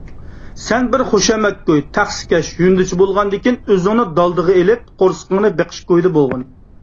سەن بىر خۇشامەتگۇي - تەخسىكەش، يۇندىچى بولغاندىكىن ئۆزۈڭنى دالدىغا ئېلىپ قورسىقىڭنى بېقىش كويىدا بولغىن.